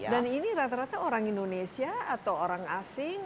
dan ini rata rata orang indonesia atau orang asing